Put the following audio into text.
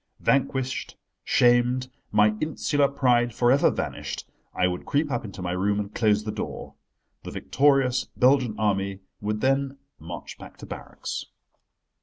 Vanquished, shamed, my insular pride for ever vanished, I would creep up into my room and close the door. The victorious Belgian Army would then march back to barracks.